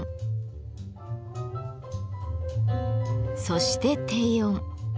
そして低音。